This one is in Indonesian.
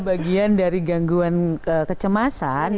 bagian dari gangguan kecemasan